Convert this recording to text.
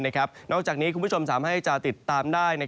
นอกจากนี้คุณผู้ชมสามารถให้จะติดตามได้